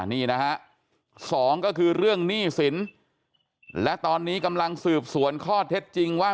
นี่นะฮะสองก็คือเรื่องหนี้สินและตอนนี้กำลังสืบสวนข้อเท็จจริงว่า